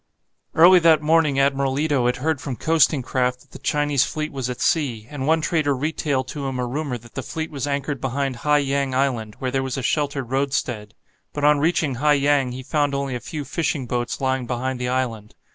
Early that morning Admiral Ito had heard from coasting craft that the Chinese fleet was at sea, and one trader retailed to him a rumour that the fleet was anchored behind Hai Yang island, where there was a sheltered roadstead. But on reaching Hai Yang he found only a few fishing boats lying behind the island.